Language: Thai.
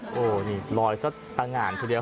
โอ้โฮนี่รอยสัตว์ต่างานทีเดียว